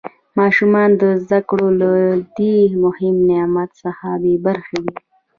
ماشومان د زده کړو له دې مهم نعمت څخه بې برخې دي.